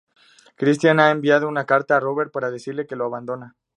Christine ha enviado una carta a Robert para decirle que lo abandona.